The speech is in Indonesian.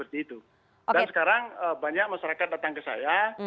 dan sekarang banyak masyarakat datang ke saya